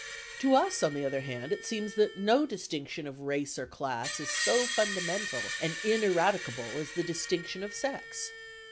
To us, on the other hand, it seems that no distinction of race or class is so fundamental and ineradicable as the distinction of sex.